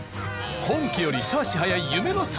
本家よりひと足早い夢の祭典。